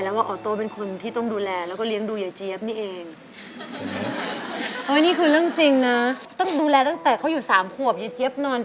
แล้วมาเทอมนี้เขาก็ได้ที่๒